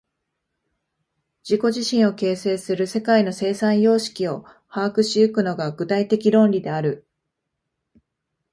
自己自身を形成する世界の生産様式を把握し行くのが、具体的論理である。